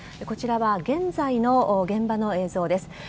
こちらは現在の現場の映像です。